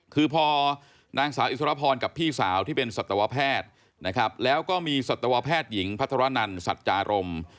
คือพอนางสาวอิสรพรกับพี่สาวที่เป็นสัตวแพทย์นะครับแล้วก็มีสัตวแพทย์หญิงพัทรนันสัจจารม